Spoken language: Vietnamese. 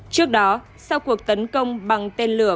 trước đó sau cuộc tấn công bằng tên lửa